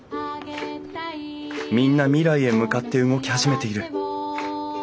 みんな未来へ向かって動き始めている。